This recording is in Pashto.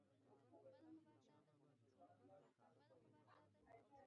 حال دا چې هغه پخپله مسوول نه دی.